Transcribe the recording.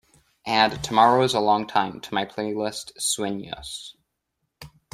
Add Tomorrow Is a Long Time to my playlist Sueños